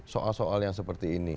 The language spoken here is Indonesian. soal soal yang seperti ini